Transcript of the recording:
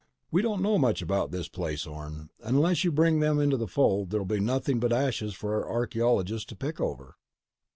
"We don't know much about this place, Orne. And unless you bring them into the fold, there'll be nothing but ashes for our archaeologists to pick over."